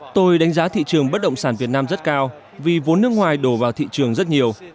tôi đánh giá thị trường bất động sản việt nam rất cao vì vốn nước ngoài đổ vào thị trường rất nhiều